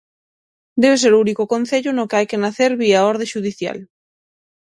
Debe ser o único concello no que hai que nacer vía orde xudicial.